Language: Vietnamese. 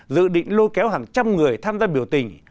dự định lôi kéo hàng trăm người tham gia biểu tình